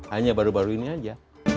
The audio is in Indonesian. hanya baru baru ini aja